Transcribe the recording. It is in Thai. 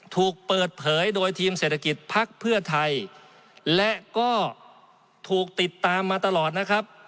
ถูกเปิดเผยโดยทีมเศรษฐกิจภักดิ์เพื่อไทยและก็ถูกติดตามมาตลอดนะครับ